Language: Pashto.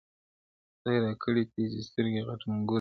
خدای راکړي تېزي سترگي غټ منگول دئ-